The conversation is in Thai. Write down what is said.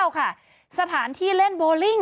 สถานที่เล่นโบลิ่ง